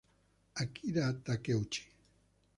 Akira Takeuchi